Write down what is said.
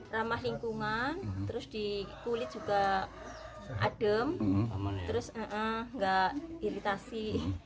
ramah lingkungan terus di kulit juga adem terus nggak iritasi